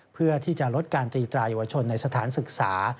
เพื่อที่จะลดการตีไตรเยาวชนในสถานศึกษา